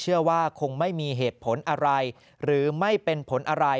เชื่อว่าคงไม่มีเหตุผลอะไรหรือไม่เป็นผลอะไร